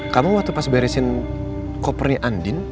kamu waktu pas beresin kopernya andin